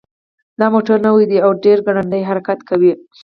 دا موټر نوی ده او ډېر ګړندی حرکت کوي